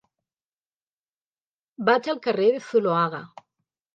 Vaig al carrer de Zuloaga.